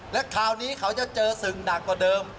และคราวนี้เขาจะเจอสิ่งหนักกว่าเดิม